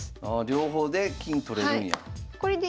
両方で金取れるんや。